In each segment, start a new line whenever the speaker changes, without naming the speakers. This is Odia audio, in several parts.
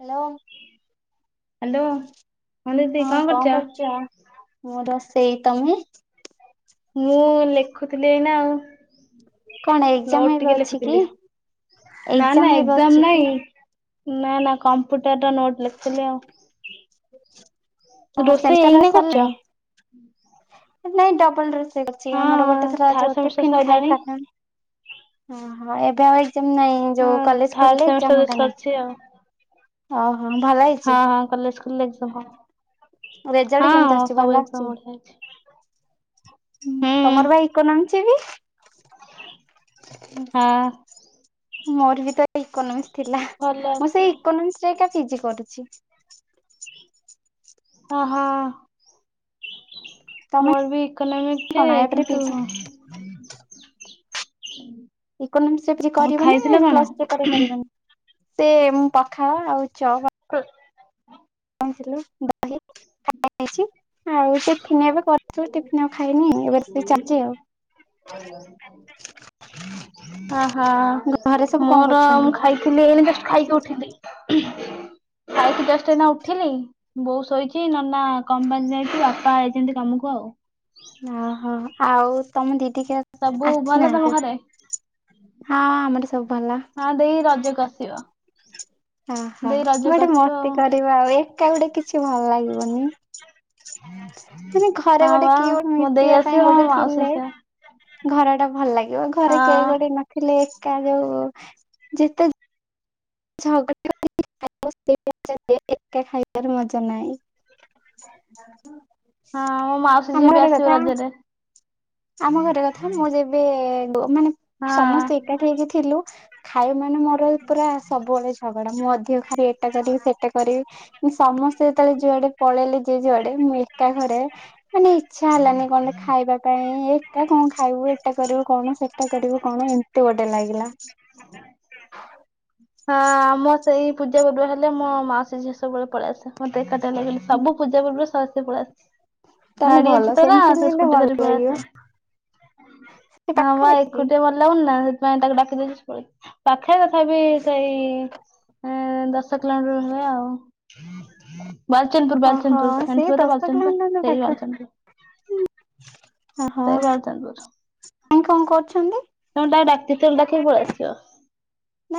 ହ୍ୟାଲୋ
ହାଲୋ, ହଁ ଦିଦି କଣ କରୁଛ?
ମୁଁ ରୋଷେଇ ତମେ?
ମୁଁ ଲେଖୁଥିଲି ଏଇନା ଆଉ।
କଣ ଏକ୍ସାମ୍
ନୋଟ
ଏବେ
ଟିକେ
ଅଛି କି,
ଲେଖୁଥିଲି। ନା ନା
ଏକ୍ସାମ୍ ଏବେ
ଏକ୍ଜାମ
ଅଛି
ନାଇଁ
କି?
ନା ନା କମ୍ପ୍ୟୁଟରର ନୋଟ ଲେଖୁଥିଲି ଆଉ।
ହଁ
ରୋଷେଇ
ସେମିଷ୍ଟାର
ଏଇନା କରୁଛ?
ସରିଲାଣି? ନାଇଁ ଡବଲ ଡ୍ରେସ୍। ଆଜି ଆମର ଗୋଟେ
ହଁ
ଥର
ଥାର୍ଡ
ଆଜି
ସେମିଷ୍ଟର
ଟିଫିନ୍
ସରିଲାଣି।
ଖାଇସାରିଲଣି। ଓହୋଃ ଏବେ ଆଉ [inaudible] ନାଇଁ ଯୋଉ
ହଁ
କଲେଜ
ଥାର୍ଡ
ଖୋଲିଲେ ଏକ୍ଜାମ୍
ସେମିଷ୍ଟର
ହେକା ନାଇଁ। ଅ।
ହଁ-ହଁ କଲେଜ। [unintelligible] ସହ।
ରେଜଲ୍ଟ କେମିତି ଆସୁଛି ଭଲ
ହେଇଛି।
ଆସୁଛି? ହୁଁ ତମର ପା ଇକୋନୋମିକ୍? ଯିବି।
ହଁ।
ମୋର ବି ତ ଇକୋନୋମିକ୍ସ। ଥିଲା
ଭଲ
ମୁଁ
ଅଛି।
ସେଇ ଇକୋନୋମିକ୍ସରେ ଏକା ପିଜି କରୁଛି।
ଓହୋଃ।
ତମେ
ମୋର ବି ଇକୋନୋମିକ
କଣ
ଯେ
ୟାପରେ
କିନ୍ତୁ।
ପିଜି ଇକୋନୋମିକ୍ସ [inaudible]
ଆଉ
କରିବ ନା
ଖାଇଥିଲେ
ପ୍ଲସ୍ ଥ୍ରି
କଣ?
ପରେ କରିବନି। ସେ ପଖାଳ ଆଉ ଚ।
[unintelligible]
କଣ। [unintelligible] [inaudible] ଏବେ କରିଥିଲୁ ଟିଫିନ ଆଉ ଖାଇନି ଏବେ ରୋଷେଇ ଚାଲିଛି ଆଉ।
ଆହା
ଘରେ ସବୁ କଣ
ମୋର
କରୁଛନ୍ତି?
ମୁଁ ଖାଇଥିଲି ଏଇନେ ଜଷ୍ଟ ଖାଇକି ଉଠି। ଖାଇକି ଜଷ୍ଟ ଏଇନା ଉଠିଲି ବୋଉ ଶୋଇଛି ନନା। କମ୍ ବାନି ଯାଇଛୁ ଆ। ଯେମିତି କାମକୁ ଆଉ।
ଓହୋ ଆଉ ତମ ଦିଦି। କେ
ସବୁ ଭଲ ତମ
ଆସିନାହାନ୍ତି?
ଘରେ
ହଁ ଆମର ସବୁ ଭଲ।
ହଁ ଦେଇ ରଜ କରିଥିବ।
ଓହୋ ଗୋଟେ ମସ୍ତି
ଆଉ।
କରିବା ଆଉ ଏକା ଗୁଟେ କିଛି ଭଲ ଲାଗିବ। ବନି। ମାନେ ଘରେ
ହଁ
ଗୋଟେ
ବା
କିଏ ଗୋଟେ
ମୋ ଦେଇ
ମିଶିବା
ଆସିବ
ପାଇଁ
ମୋ
ଗୋଟେ
ମାଉସୀ
ଥିଲେ।
ଆସିବ
ଘର ଟା ଭଲ ଲାଗିବ ଘରେ କେହି
ହଁ।
ଗୋଟେ ନଥିଲେ। ଏକା ଯୋଉ ଯେତେ। ଝଗଡ଼ା ଏକା ଖାଇବାର ମଜା ନାଇଁ।
ହଁ ମୋ ମାଉସୀ
ଆମ
ଝିଅ ବି
ଘର
ଆସିବ
କଥା
ରଜରେ
ଆମ ଘର କଥା ମୁଁ ଯେବେ ମାନେ ସମସ୍ତେ
ହଁ।
ଏକାଠି ହେଇକି ଥିଲୁ ଖାଇ ସେମାନେ ମୁରବି ପୁରା ଝଗଡା ମୁଁ ଅଧିକ ଖାଇବି ଏଟା କରିବି ସେଟା କରିବି ମୁଁ ସମସ୍ତେ ଯେତେବେଳେ ଯୁଆଡେ ପଳେଇଲେ ଯିଏ ଯୁଆଡେ ମୁଁ ଏକା ଘରେ ମାନେ ଇଛା ହେଲାନି କଣଟେ ଖାଇବା ପାଇଁ ଆଉ ଏକା କଣ ଖାଇବୁ ଏଟା କରିବୁ କଣ ସେଟା କରିବୁ କଣ ଏମିତି ଗୋଟେ ଲାଗିଲା।
ହଁ ଆମ ସେଇ ପୂଜା ପର୍ବ ହେଲେ ମୋ ମାଉସୀ ଝିଅ ସବୁବେଳେ ପଳେଇ ଆସେ ମତେ ଏକାଠି ଲଗିଲେ ସବୁ ପୂଜା ପର୍ବରେ ପଳେଇ ଆସେ।
ତାହେଲେ
ଗାଡି
ଭଲ
ଅଛି ତରା
ସେମିତି
ସେ
ଲାଗିଲେ
ସ୍କୁଟି
ଭଲ
ଧରି ପଳେଇ
ଲାଗିବ
ଆସେ
ସେ
ହଁ ବା
ପାଖରେ କି?
ଏକୁଟି ଭଲାଗୁନି ନା ପାଇଁ ତାକୁ ଡାକି ଦେଇଛି ସେପଳେଇବ ପାଖ ତଥାବି ସେଇ ଦଶ କିଲୋମିଟର ଭଳିଆ ଆଉ। ବାଲିଚନ୍ଦପୁର
ଓହୋ
ବାଲିଚନ୍ଦପୁର
ସେଇ
ଜାଣିଥିବ ତ
ଦଶ
ବାଲଚନ୍ଦପୁର
କିଲୋମିଟର ପାଖ
ସେଇ ବାଲଚନ୍ଦପୁର। ସେଇ ବାଲିଚନ୍ଦ୍ରପୁର।
ଆଇ କଣ କରୁଛନ୍ତି।
ଯେତେବେଳେ ଡାକିବି ପଳେଇ ଆସିବ।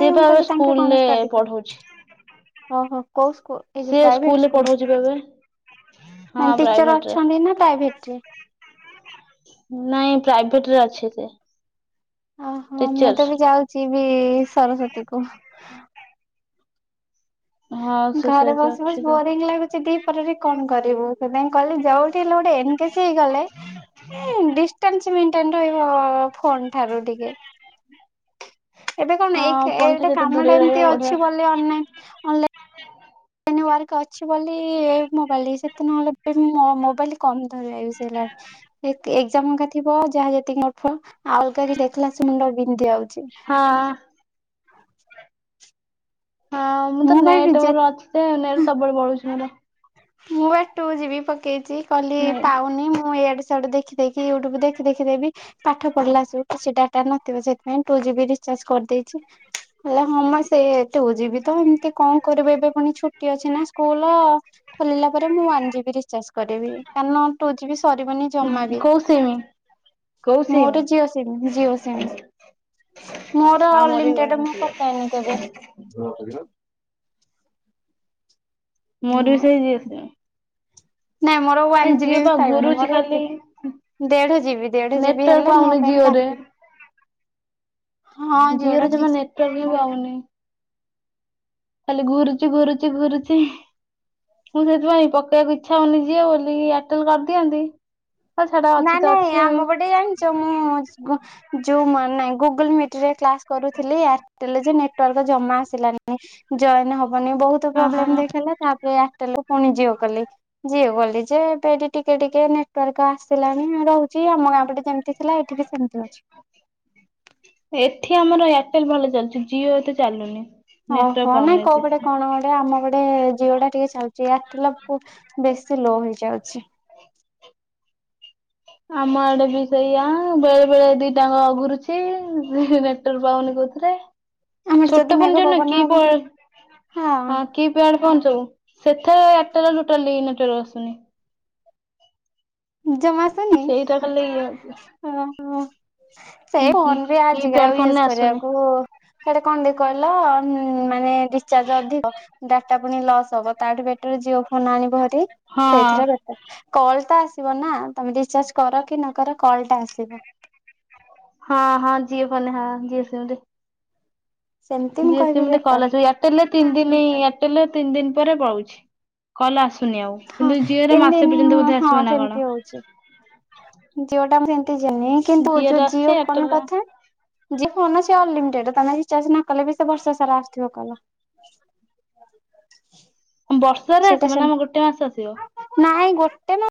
ସିଏ ତ
ମୁଁ
ଏବେ
କହିଲି ତାଙ୍କେ
ସ୍କୁଲ
କଣ
ରେ
ଷ୍ଟଡି
ପଢଉଛି
ଓହୋ କୋଉ ସ୍କୁଲ ଏଇ ଯୋଉ
ସିଏ
ପ୍ରାଇଭେଟ
ସ୍କୁଲରେ
ସ୍କୁଲ
ପଢୁଉଛି ବା ଏବେ ହଁ
ମାନେ ଟିଚର
ପ୍ରାଇଭେଟ୍ ରେ
ଅଛନ୍ତି ନା ପ୍ରାଇଭେଟ ରେ?
ନାଇଁ ପ୍ରାଇଭେଟ୍ ରେ ଅଛି। [unintelligible]
ଓହୋ ମୁଁ
ଟିଚର।
ତ ବି ଯାଉଛି ବି ସରସ୍ଵତୀ କୁ [unintelligible]
ହଁ ସେ
ଘରେ
ସେଇଠି
ବସି
ଅଛି
ବସି
ତ
ବୋରିଙ୍ଗ ଲାଗୁଛି ଦି ଘରେ ବସି କଣ କରିବୁ ସେଥିପାଇଁ କହିଲି ଯୋଉଠି ହେଲେ ଗୋଟେ ଏନ୍ ଗେଜ୍ ଗେଜ୍ ହେଇଗଲେ ଡିଷ୍ଟାନ୍ସ୍ ମେନ ଡିଷ୍ଟାନ୍ନ ରହିବ ଫୋନ ଠାରୁ ଟିକେ ଏବେ କଣ ଏଇ
ହଁ ଫୋନଠୁ
ଏଇଟା
ଯେତେ ଦୂରେଇ
କାମଟା
ରହିବ
ଏମିତି
ବଢିଆ
ଅଛି ବୋଲି ଅମେ ଏନେ ୱାର୍କ ଅଛି ବୋଲି ମୋବାଇଲ ସେତେ ନହେଲେ ମୋବାଇଲ କମ୍ ଧରେ। ଚଲାଏ ଏକ୍ଜାମ୍ ଏକା ଥିବ ଯାହା ଯେତିକି ଅଳ୍ପ ଆଉ ଅଲଗା ଯେତିକି ଦେଖିଲା ସେ ମୁଣ୍ଡ ବିନ୍ଧି ଯାଉଛି।
ହଁ।
[inaudible]
ହଁ ମୁଁ ତ
ବା
ନେଟ୍
ବିଜେ
ମୋର ଅଛି ସେ ରେଟ୍ ସବୁବେଳେ ବଳୁଛି ମୋର।
ମୁଁ ବାଟୁ କୁ ଯିବି ପକେଇଛି। କଲି
ନେଟ୍
ପାଉନି ମୁଁ ଇଆଡେ ସି ସ୍ଯାଡ଼ୁ ଦେଖିଦଖି ୟୁଟ୍ୟୁବ ଦେଖି ଦେଖି ଦେବି ପାଠ ପଢି଼ଲା ସବୁ କିଛି ଡାଟା ନଥିବ ସେଥିପାଇଁ ଟୁ ଜିବ ରିଚାର୍ଜ କରିଦେଇଛି। ହେଲେ ହଁ ସେ ଟୁ ଯିବି ତ ଏମିତି କଣ କରିବୁ ଏବେ ପୁଣି ଛୁଟି ଅଛି ନା ସ୍କୁଲ। ମୁଁ ୱାନ୍ ଜିବି ରିଚାର୍ଜ କରିବି କାରଣୁ ଟୁ ଜିବି। ସରିବନି ଜମା ବି
କୋଉ ସିମ୍? କୋଉ ସିମ୍
ମୋର ଜିଓ ସିମ୍ ଜିଓ ସିମ୍। [inaudible] ମୋର
ହଁ ବି
ଅଲ୍ଲିମିଟେଟ୍ ମୁଁ
ଜିଓ
ପକାଏନି କେବେ।
ମୋର ବି ସେଇ ଜିଓ ସିମ୍।
ନାଇଁ ମୋର
ଏ
ୱାନ ଜିବି
ଜିଓ ପା
ପଇବନି
ଘୁରୁଛି
ମୋର
ଖାଲି
ଦେଢ଼ ଜିବି ଦେଢ଼ ଜିବି
ନେଟୱାର୍କ
ହେଲେ ମୋ
ପାଉନି
ପାଇଁ
ଜିଓରେ।
କାଫି ହଁ
ଜିଓରେ
ଜିଓଟା
ଜମା
ଠିକ୍
ନେଟୱାର୍କ ହିଁ ପାଉନି ଖାଲି ଘୁରୁଛି ଘୁରୁଛି ଘୁରୁଛି ମୁଁ ସେଥିପାଇଁ ପକେଇବାକୁ ଇଚ୍ଛା ହଉନି ଯିଅ ବୋଲି ଏୟାରଟେଲ କରିଦିଅନ୍ତି। ହଉ ଛାଡ ଅଛି
ନାଇ
ତ
ନାଇଁ
ଅଛି ଆଉ
ଆମ ପଟେ ଜାଣିଛ ମ ମୁଁ ଜୋଉ ମା ନାଇଁ ଗୁଗୁଲ୍ ମିଟ ରେ କ୍ଲାସ କରୁଥିଲି ଏୟାରଟେଲ ଯେ ନେଟୱାର୍କ ଜମା ଆସିଲାନି ଜଏନ୍ ହବ୍ ମାନେ ବହୁତ
ହଁ ହଁ।
ପ୍ରୋବ୍ଲେମ୍
ହଁ
ଦେଖଲା ତାପରେଟା ୟାରଟେଲ୍। ପୁଣି ଜିଓ କଲି ଜିଓ କଲି ଯେ ଏବେଠି ଟିକେ ଟିକେ ନେଟୱାର୍କ ଆସ୍। ଆସିଳାଣି ରହୁଛି। ଆମ ଗାଁ ପଠେ ଯେମିତି ଥିଲା ଏଠି ବି ସେମିତି ଅଛି।
ଠି ଆମର ଏୟାରଟେଲ ଭଲ ଚାଲୁଛି ଜିଓ ଏ ତ ଚାଲୁନି। ନେଟୱାର୍କ
ଓହୋ ନାଇଁ
ପାଉନି
କୋଉ
ଏତେ।
ଗଟେ କଣ କଟେ ଆମ ଗଟେ ଜିଓ ଟା ଟିକେ ଚାଲଚି ଏଆରଟେଲ ବେଶୀ ଲୋ ହେଇଯାଉଛି। ଆଚ୍ଛା।
ଆମ ଆଡେ ବି ସେଇଆ ବେଳେ ବେଳେ ଦି ଟାଙ୍କ ଅଘୁରୁଛି ପାଉନି କହୁଥିଲେ
ଆମର ଯଦି
ଛୋଟ ଫୋନ୍
ମେଘ
ଯୋଉ
ପବନ
କି
ହବ
ହଁ
ହଁ
କିପ୍ଯାଡ଼୍। କଣ ସବୁ ସେଠାରେ ଆଠ୍ ଟାରୁ ଟୋଟାଲି ନେଟୱାର୍କ ଆସୁନି।
ଜମାଆସୁନି
ସେଇଟା ଖାଲି
ଓହୋ ସେ ଫୋନ୍ ବି
କି
ଆଜ
ପ୍ୟାଡ
ଆଉ
ଫୋନରେ
ୟୁଜ
ଆସୁନି।
କରିବାକୁ ସେଟା କଣ ଗଲା ଆଉ ଉଁ ମ୍ ମ୍। ମାନେ ରିଚାର୍ଜ ଅଧିକ। ଡାଟା ପୁଣି ଲସ୍ ହବ ତାଠୁ ବେଟର ଜିଓ ଫୋ ଧାନ ଆଣିବ ହେରି
ହଁ
ସେଇଥିରେ ବେଟର୍। କଲ ତ ଆସି ନା ତମେ ରିଚାର୍ଜ କର କି ନ କର କଲ ଟା ଆସିବ।
ହଁ ହଁ ଜିଅ ଫୋନ ରେ ହଁ ଜିଅ ସିମ୍ ରେ।
ସେମିତି ମୁଁ
ଜିଓ
କହିବି
ସିମରେ
ବେଟର
କଲ ଆସିବ, ଇଆରଟେଲ୍ ରେ ତିନ୍ ଦିନି ଇଆରଟେଲ୍‌ ରେ ତିନ୍‌ ଦିନ୍‌ ପରେ ବଳୁଚି କଲ ଆସୁ ନି ଆଉ
ହଁ
କିନ୍ତୁ ଜିଓ ରେ
ତିନି
ମାସେ
ଦିନି
ପର୍ଯ୍ୟନ୍ତ ବୋଧେ ଆସିବ ନା କଣ?
ଯୋଉଟା ମୁଁ କେଜାଣି କିନ୍ତୁ ଯୋଉ
ରେ ଆସୁଛି
ଜିଓ ଫୋନ୍
ଏୟାରଟେଲ ରେ
କଥା ଫୋନ୍ ଅଛି ଅନଲିମିଟେଡ ତମେ ଚାଷ ନ କଲେ ବି ସେ ବର୍ଷ ସାରା ଆସଥିବ କଲ।
ବର୍ଷରେ
ସେଇଟା
ଆସିବ ନା
ସେମିତି
ଆମର ଗୋଟେ ମାସ ଆସିବ।
ଗୋଟେ ନା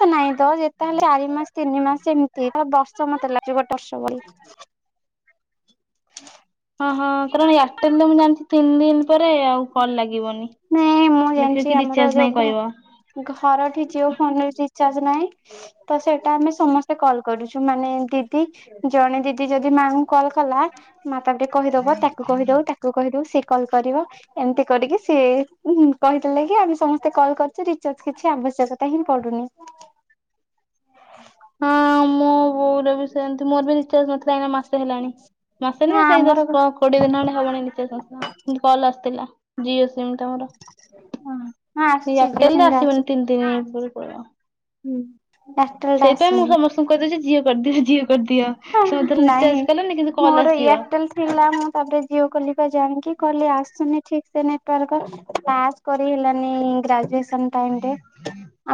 ସ ନାଇଁ ତ ଯେତେହଲେ ଚାରି ମାସ ତିନି ମାସ ଏମିତି ତ ବର୍ଷ ସମସ୍ତେ ଲାଜ ର୍ଶବଳୀ
ହଁ ହଁ କାରଣ ଏୟାରଟେଲରେ ମୁଁ ଜାଣିଛି। ତିନି ଦିନ। ପରେ ଆଉ କଲ ଲାଗିବନି।
ନାଇଁ ମୁଁ
ଲେଖିବ
ଜାଣିଛି
କି
ଆମର
ରିଚାର୍ଜ ନାହିଁ
ଯୋଉ
କହିବ।
ଘ ଘରଠି ଯିଓ ଫୋନ ରିଚର୍ଜ ନାଇ ତ ସେଇଟା ଆମେ ସମସ୍ତେ କଲ୍ କରୁଛୁ ମାନେ ଦିଦି ଜଣେ ଦିଦି ଯଦି ମାଇଁ କଲ୍ କଲା ମା ତା ଟିକେ କହିଦବ ତାକୁ କହିଦଉ ତାକୁ କହିଦଉ ସେ। କଲ କରିବ ଏମିତି କରିକି। ସେି କହିଥିଲେ କି ଆମେ ସମସ୍ତେ କଲ କରିୁଛେ ରିଚାର୍ଜ କିଛି ଆବଶ୍ୟକତା ହିଁ ପଡୁନି।
ହଁ ମୁଁ ବୋ। ସେମିତ ମୋର ବି ରିଚାଜ୍ ନଥିଲା। ହେଲାଣି ମାସେ ନା ସେଇ
ଆମର
ଦଶ
ହଁ
କୋଡିଏ ଦିନ ଖଣ୍ଡେ ହବନି ନିେ ସଂସ କିନ୍ତୁ କଲ ଆସିଥିଲା। ଯି। ସେମତିମର
ହଁ
ସେ
ଆସୁଛି ଜିଓ ସିମ୍
ଏୟାରଟେଲ
ଟା
ଆସିବନି
ଆସୁଛି।
ତିନି ଦିନି ପରେ। [inaudible]
ହୁଁ। ଏୟାରଟେଲ ଟା
ସେଇଥିପାଇଁ ମୁଁ ସମସ୍ତଙ୍କୁ କହିଦେଛି। ଯିଓ କରିଦିଅ ଯିଓ।
ନାଇଁ
କଲ୍
ମୋର
ଆସିବ
ଏୟାରଟେଲ ଥିଲା ମୁଁ ତାପରେ ଜିଓ କଲିବା ଯାଇକି କହିଲି ଆସୁନି। ଠିକ ସେ ନେଟୱାର୍ ପାସ୍ କରି ହେଲାନି ଗ୍ରାଜୁ।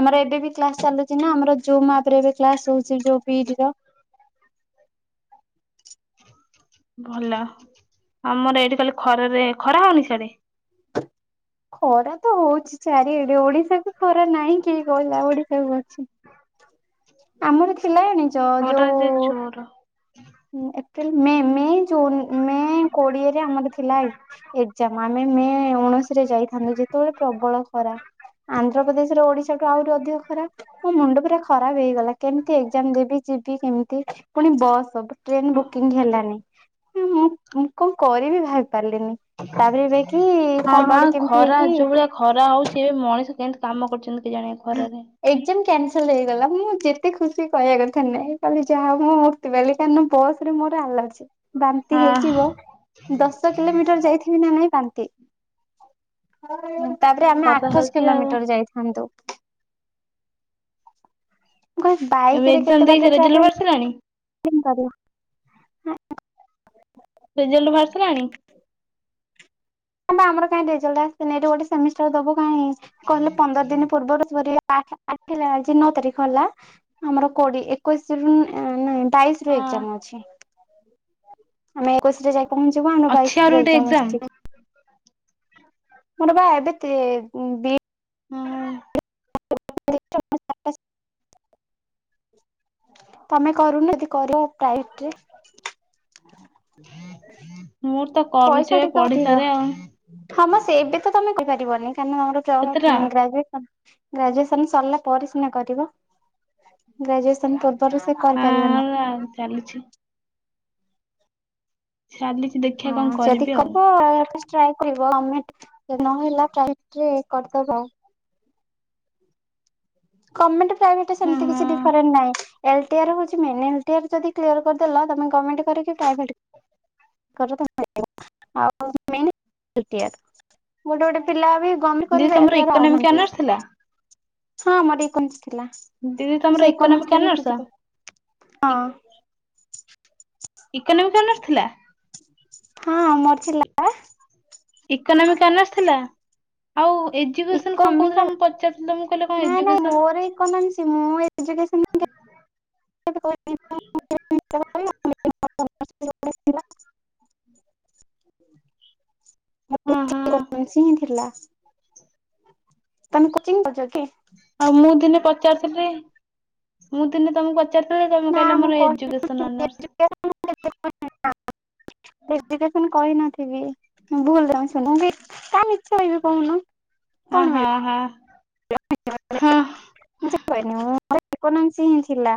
ଆମର ଏବେ ବି। କ୍ଲାସ ଚାଲୁଛି ନା ଆମର ଜୁନ୍ ମାର୍ଚ୍ଚ ରେ ଏବେ କ୍ଲାସ ହଉଚି ଯୋଉ ପି ଯୁଗ।
ଭଲ ଆମର ଏଇଠି ଖାଲି ଖରାରେ ଖରା ହଉନି ସିଆଡେ।
ଖରା ତ ହଉଛି ଚାରିଆଡେ ଓଡିଶାକୁ ଖରା ନାହିଁ କିଏ କହିଲା ଓଡିଶାକୁ ଅଛି। ଆମର। ସିଲାଣିଛ
ଖରା ଯେ
ଯୋଉ।
ଜୋର।
ହଁ ଏପ୍ରିଲ ମେ ମେ। ମେ କୋଡିଏରେ ଆମର ଥିଲା ଏଜାମ ଆମେ ମେ ଉଣେଇଶି ରେ ଯାଇଥାନ୍ତୁ ଯେତେବେଳେ ପ୍ରବଳ ଖରାପ ଆନ୍ଧ୍ରପ୍ରଦେଶରେ ଓଡିଶାଠୁ ଆହୁରି ଅଧିକ ଖରାପ ମୋ ମୁଣ୍ଡ ପୁରା ଖରାପ ହେଇଗଲା କେମିତି ଏଜାମ ଦେବି ଯିବି କେମିତି ପୁଣି ବସ୍ ହବ ଟ୍ରେନ ବୁକିଂ ହେଲାନି [inaudible] ହ ମୁଁ କଣ କରିବି ଭାବ କଣ
ହଁ ବା
ଗୋଟେ କେମିତି
ଖରା
ହେଇକି
ଯୋଉ ଭଳିଆ ଖରା ହଉଛି ଏବେ ମଣିଷ କେମତି କାମ କରୁଛନ୍ତି କି ଜଣେ
ଏକସ [inaudible] ହେଇଗଲା ମୁଁ ଯେତେ ଖୁସି କହିବା କଥା ନାଇଁ କାଲି ଯାହା ମୁଁ ସେତବେ କାହିଁ ବସ ରେ ମୋର ଆଲ୍ ଅଛି ବାନ୍ତି
ହଁ
ହେଇଯିବ ଦଶ କିଲୋମିଟର ଯାଇଥିବି ନା ନାଇଁ ବାନ୍ତି ହଁ ତାପରେ ଆମେ
ଖରା
ଆଠଶ
ହଉଛି ଆଉ
କିଲୋମିଟର ଯାଇଥାନ୍ତୁ, [unintelligible]
ଏମେ ଏକ୍ଜାମ ଦେଇଛ ରରେଜଲଟ ଭସ ନାଣି
କେ କରିବା ହଁ।
ରେଜାଲ୍ଟ ବହାରିସରିଲାନି?
ନା ପା ଆମର କାଇଁ ରେଜୁଲ୍ଟ ଆସିନି ଏଇଠି ଗୋଟେ ସେମିଷ୍ଟାର ଦବ କାଇହିଁ କହିଲେ ପନ୍ଦର ଦିନ ପୂର୍ବରୁ ଠ ଆଠ ହେଲା ଆଜି ନଅ ତାରିଖ ହେଲା ଆମର କୋଡି କୋଇ ସିରିବୁନୁ ଏ ନାଇଁ ବାଇଶର
ହଁ
ଏଗଜାମ୍ ଅଛି। [inaudible] ଆମେ ଏକ ପହଞ୍ଚିବ ଆମ
ଅଛି ଆହୁରି ଗୋଟେ
ବାଇଶରେଜାମ
ଏକ୍ଜାମ?
ଅଛିି କ ମୋର ବା ଏବେ
ହୁଁ।
[unintelligible] ତମେ କରୁନ ଯଦି କରିବ
ମୁଁ ତ କରୁଛି
ପଇସା
ଏବେ
ଟିକେ ଅଧିକ
ପଢିସାରେ ଆଉ
ହଁ ମ ସେ ଏବେ ତମେ କହିପାରିବନି କହି ଆମରଳ
କେତେଟା?
ଗ୍ରାଜୁଏସନ୍ ଗ୍ରାଜୁଏସନ ସରିଲା ପରେ ସିନା କରିବ ଗ୍ରାଜୁଏସନ ର ସେ କରିକାରିବନି
ହଁ ଚାଲିଛି ଚାଲିଛି ଦେଖିବା କଣ କରିବି ଆଉ।
ଟ୍ରଏ କରିବା ତମେ ନହେଲା କରିଦବା କମେଣ୍ଟ ଟ
ହଁ
ସେମିତି କିଛି
ହଁ
ଡିଫରେନ୍ସ ନାହିଁ। ଏଲଟିର ହଉଛି ମେନ୍ ଏଲ୍ଟିର ଯି କ୍ଲିୟର କରିଦେ ତମେ କମେଣ୍ଟ କରିକି ତାଗଡ଼ ଆଉ [unintelligible] ଗୋଟେ ଗୋଟେ ପିଲା ବି ଗମେଣ୍ଟ କରି
ଦିଦି ତମର
ଏଲଟିଆର
ଇକୋନୋମିକ
ପାଉନାହାନ୍ତି।
ଅନର୍ସ ଥିଲା।
ହଁ ମୋର ଇକୋନୋମିକ ଥିଲା
ଦିଦି
ମୁଁ
ତମର
ସେଇ
ଇକୋନୋମିକ
ଇକୋନୋମିକ୍ସରେ ବି ପି
ଅନର୍ସ?
ଜି କରୁ ହଁ।
ଇକୋନୋମିକ ଅନର୍ସ ଥିଲା।
ହଁ ମୋର ଥିଲା।
ଇକୋନୋମିକ ଅନର୍ସ ଥିଲା। ଆଉ ଏଜୁକେସନ କଣ
ଏକୋନୋମିକ
କହୁଥିଲା ମୁଁ ପଚାରୁଥିଲି ତମକୁ କହିଲେ କଣ
ନାଇଁ ନାଇଁ
ଏଜୁକେସନ
ମୋର ଇକୋନୋମିକ୍ସ ମୁଁ ଏଜୁକେସନ୍ [unintelligible]
ହଁ ହଁ
[unintelligible] [unintelligible] ହିଁ ଥିଲା। [inaudible] ତମେ କୋଚିଂ ଯାଉଛ କି?
ଆଉ ମୁଁ ଦିନେ ପଚାରୁଥିଲି। ମୁଁ ଦିନେ ତମକୁ ପ
ନା ମୁଁ କହିନି [unintelligible] ଏଯୁକେଶନ କହିନଥି ଥିବି ଭୁଲ ତମେ ଶୁଣ କାଇଁ ମିଛା କିବି କହୁନ? କଣ
ହଁ
ମିଳିବ?
ହଁ। ହଁ।
ମୁଁ ସେ କହିନି ମୋର ଇକୋନୋମିକସ୍ ହିଁ ଥିଲା।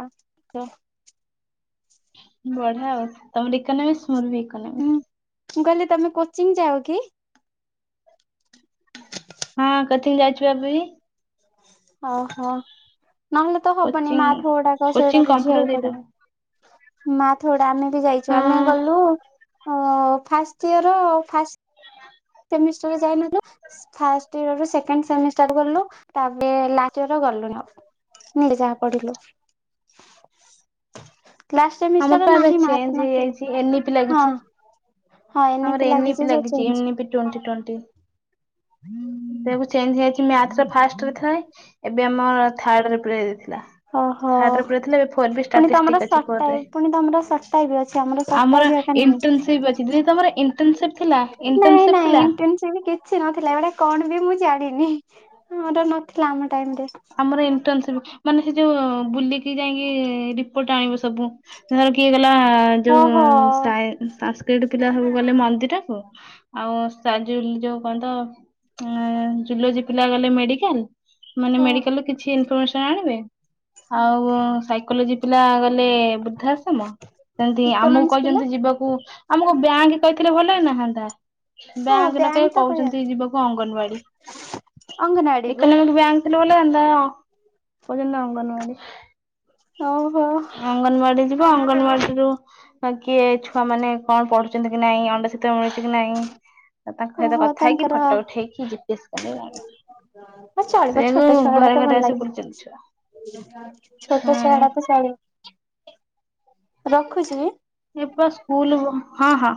ବଢିଆ ଆଉ ତମର ଇକୋନୋମିକ୍ସ ମୋର ବି ଇକୋନୋମିକସ୍।
ମୁଁ କହିଲି ତମେ କୋଚିଂ ଯାଅ କି?
ହଁ କୋଚିଂ ଯାଇଚି ପା ଏବେ ବି।
ଓହୋ। ନହେଲେ ତ ହବନି
କୋଚିଂ
ମ୍ୟାଥ୍ ଗୁଡାକ ସେଗୁଡା
କୋଚିଂ କମ୍ପ୍ୟୁଟର
ବୁଝିବାକୁ
ଦିଟା
ପଡିବ। ମ୍ୟାଥ୍ ଗୁଡା ଆମେ ଯାଇଛୁ
ହଁ
ଆମେ ଗଲୁ। ଓ ଫାଷ୍ଟ ଇୟର ଫାଷ୍ଟ ସେମିଷ୍ଟାର୍ ରେ ଯାଇନଥିଲୁ ଫା [unintelligible] ରୁ ସେକେଣ୍ଡ ସେମିଷ୍ଟାର ଗଲୁ ତାପରେ ଲାଷ୍ଟ ଇୟର ରେ ଗଲୁନୁ ଆଉ [unintelligible] ଯାହା ପଢ଼ିଲୁ।
ଆମର ତ ଏବେ ଚେଞ୍ଜ ହେଇଯାଇଚି ଏ ନ ପି
ହଁ
ଲାଗିଚି।
ହଁ ଏ ନି ପି ଲାଗିଚି ଯେ ଚେଞ୍ଚ
ଟ୍ୱଣ୍ଟି ଟ୍ୱଣ୍ଟି। ସେ ବି ଚେଞ୍ଚ ହେଇ ମ୍ୟାଥ ରେ ଫାଷ୍ଟରେ ଥାଏ। ଏବେ ଆମର ଥାର୍ଡରେ ପୁରେଇଦେଇଥିଲା
ଓହୋ
ଥାର୍ଡ ରେ ପୁରେଇଥିଲା ଏବେ ଫୋର୍ ବି
ପୁଣି ତମର
ଷ୍ଟାଟିଷ୍ଟିକ୍ ଅଛି
ସର୍ଟ
ଫୋର୍ ରେ
ଟାଇପ୍ ପୁଣି ତମର ସର୍ଟ ଟାଇପ୍ ଅଛି ସର୍ଟ
ଆମର
ଟାଇପ୍ ହେକା ନାହିଁ
ଇନଟର୍ଣ୍ଣସିପ୍ ଅଛି ଧୀରେ ଆମର ଇନ୍
ନାଇଁ ନାଇଁ ଇନଟର୍ଣ୍ଣସିପ୍ କିଛି ନଥିଲା ଏଗୁଡା କଣ ବି ମୁଁ ଜାଣିନି। ମୋର ନଥିଲା ଆମ ଟାଇମ୍ ରେ
ଆମର ଇଣ୍ଟର୍ନସିପ୍ ମାନେ ସେ ଯୋଉ ବୁଲିକି ଯାଇକି ରିପୋର୍ଟ ଆଣିବୁ ସବୁ ଧର କିଏ କେ ଲା ଯୋଉ
ଓହୋ
ସାଇ ସାନସ୍କ୍ରିଟ ପିଲା ସବୁ ଗଲେ ମନ୍ଦି [unintelligible] ଆଉ ସା ଯୋଉ ଲି ଯୋଉ କନ୍ ତ ଯୁଲୋଜିବପିଲା ଗଲେ ମେଡିକାଲ। ମାନେ
ଓ
ମେ କିଛି ଇନଫମସନ ଆଣିବେ ଆଉ ସାଇକେଲ ଯ ପିଲା ଗଲେ ବୃଦ୍ଧା ଆଶ୍ରମ ସେମିତି ଆମକୁ
ଇକୋନୋମିକ୍ସ ପିଲା
କହିଛନ୍ତି ଯିବାକୁ ଆମକୁ ବ୍ୟାଙ୍କ କହିଥିଲେ ଭଲ ନାହାନ୍ତା
ହଁ
ବ୍ୟାଙ୍କ ନକ
ତ କହିବା
କହୁଛନ୍ତି ଯିବାକୁ ଅଙ୍ଗନବାଡି
ଅଙ୍ଗନବାଡି
ଏକ
କୁ
ବ୍ୟାଙ୍କ ଥିଲେ ଭଲ? ଲ ଭଜ ନା ଅଙ୍ଗନବାଡି
ଓହୋ
ଅଙ୍ଗନବାଡି ଯିବା ଅଙ୍ଗନବାଡିରୁୁ କିଏ ଛୁଆ ମାନେ କଣ ପଢୁ କି ନାଇଁଣ୍ଡ ମିଳୁଛି କି ନାଇଁ ତାଙ୍କ ସହିତ
ଓହୋ
କଥା ହେଇକି
ତାଙ୍କର
ଫଟୋ ଉଠେଇକି ଜିତିସ କ ମିିଲାଣି ସେୁ!
ମ ଲାଗିଲେ
ହୁଁ
ଛୋଟ ଶଆଡ ତ ଶା [unintelligible] ରଖୁଛି କି [unintelligible]
ଏପ ସ୍କୁୁଲ ହଁ ହଁ